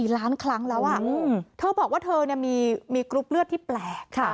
ล้านครั้งแล้วเธอบอกว่าเธอมีกรุ๊ปเลือดที่แปลก